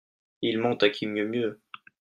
Ils mentent à qui mieux mieux.